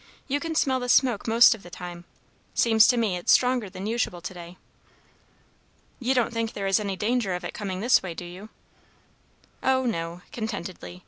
You can smell the smoke most of the time. Seems to me it's stronger than usual, to day." "You don't think there is any danger of its coming this way, do you?" "Oh, no!" contentedly.